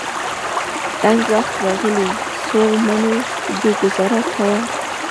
تنګ وخت راغلی. څوړ منی دی ګذاره کوه.